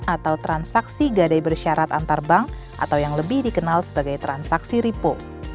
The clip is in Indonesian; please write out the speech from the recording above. atau transaksi gadai bersyarat antar bank atau yang lebih dikenal sebagai transaksi ripo